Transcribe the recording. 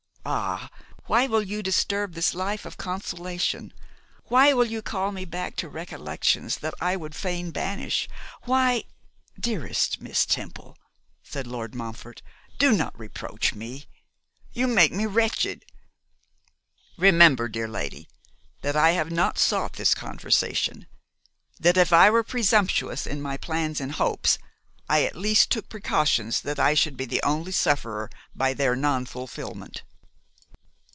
Ah, why will you disturb this life of consolation? Why will you call me back to recollections that I would fain banish? Why ' 'Dearest Miss Temple,' said Lord Montfort, 'do not reproach me! You make me wretched. Remember, dear lady, that I have not sought this conversation; that if I were presumptuous in my plans and hopes, I at least took precautions that I should be the only sufferer by their nonfulfilment.